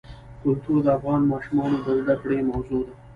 کلتور د افغان ماشومانو د زده کړې موضوع ده.